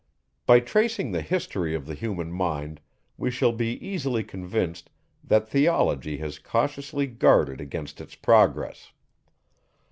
By tracing the history of the human mind, we shall be easily convinced, that Theology has cautiously guarded against its progress.